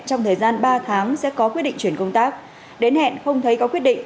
trong thời gian ba tháng sẽ có quyết định chuyển công tác đến hẹn không thấy có quyết định